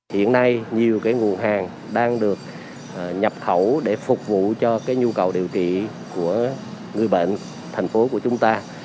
hiện nay nhiều nguồn hàng đang được nhập khẩu để phục vụ cho nhu cầu điều trị của người bệnh thành phố của chúng ta